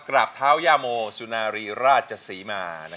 กราบเท้าย่าโมสุนารีราชสีมานะครับ